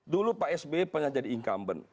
dulu pak sby pernah jadi incumbent